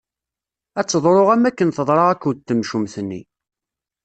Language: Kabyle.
Ad teḍru am wakken i teḍra akked temcumt-nni